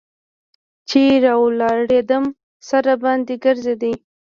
چې راولاړېدم سر راباندې ګرځېده.